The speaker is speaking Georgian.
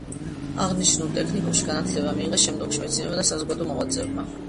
აღნიშნულ ტექნიკუმში განათლება მიიღეს, შემდგომში მეცნიერებმა და საზოგადო მოღვაწეებმა: აკად.